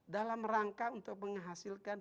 dalam rangka untuk menghasilkan